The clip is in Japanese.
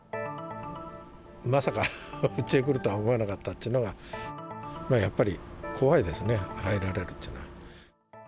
まさかうちへ来るとは思わなかったっていうのが、まあやっぱり、怖いですね、入られるというのは。